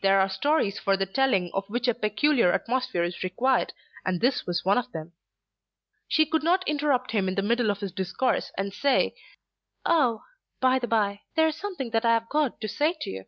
There are stories for the telling of which a peculiar atmosphere is required, and this was one of them. She could not interrupt him in the middle of his discourse and say: "Oh, by the bye, there is something that I have got to say to you."